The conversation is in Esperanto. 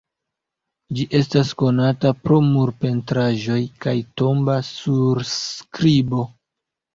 Ĝi estas konata pro murpentraĵoj kaj tomba surskribo.